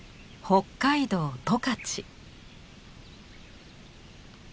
北海道十勝。